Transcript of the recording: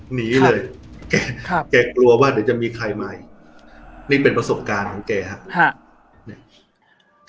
หนีเลยครับแกกลัวว่าเดี๋ยวจะมีใครมาอีกนี่เป็นประสงค์การของแกฮะฮะ